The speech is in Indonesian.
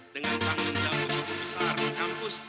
dengan tanggung jawab itu besar kampus